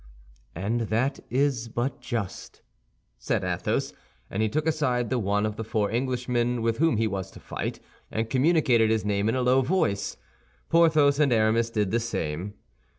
"And that is but just," said Athos, and he took aside the one of the four Englishmen with whom he was to fight, and communicated his name in a low voice. Porthos and Aramis did the same.